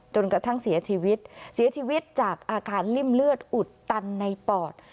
จนกระทั่งเสียชีวิตเสียชีวิตจากอาการริ่มเลือดอุดตันในปอด